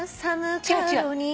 違う違う。